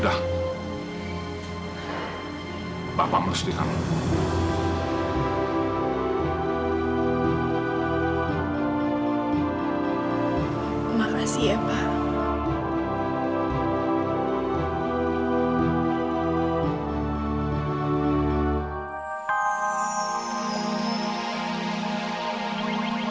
apa pun kalau bapak suka ini